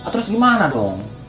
terus gimana dong